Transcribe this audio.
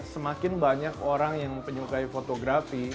semakin banyak orang yang menyukai fotografi